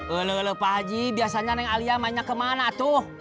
ulu ulu pak haji biasanya neng alia mainnya kemana tuh